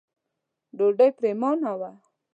ډوډۍ پرېمانه وه.